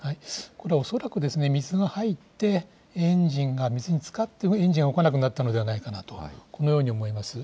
これ、恐らく水が入って、エンジンが水につかって、エンジンが動かなくなったのではないのかなとこのように思います。